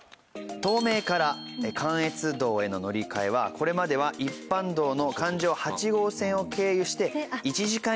東名から関越道への乗り換えはこれまでは一般道の環状八号線を経由して１時間以上。